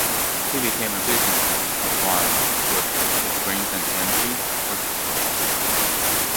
He became a businessman, and, with his brains and energy, a successful one.